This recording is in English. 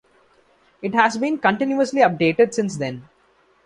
It has been continuously updated since then.